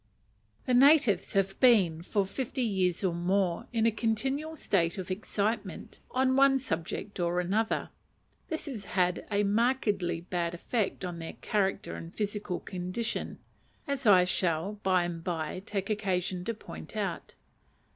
The natives have been for fifty years or more in a continual state of excitement on one subject or another: this has had a markedly bad effect on their character and physical condition, as I shall by and by take occasion to point out.